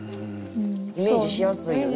イメージしやすいよね。